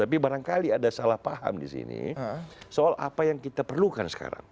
tapi barangkali ada salah paham di sini soal apa yang kita perlukan sekarang